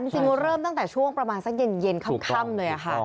จริงเริ่มตั้งแต่ช่วงประมาณสักเย็นค่ำเลยค่ะ